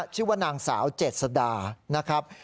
ชื่อว่านางสาวเจษดานะครับ